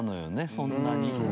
そんなに。